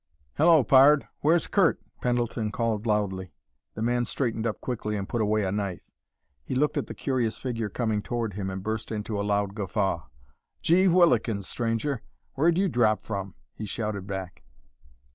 "Hello, pard! Where's Curt?" Pendleton called loudly. The man straightened up quickly, and put away a knife. He looked at the curious figure coming toward him, and burst into a loud guffaw. "Gee whillikens, stranger! where'd you drop from?" he shouted back.